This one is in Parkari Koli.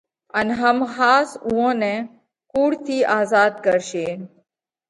ان هم ۿاس اُوئون نئہ ڪُوڙ ٿِي آزاڌ ڪرشي۔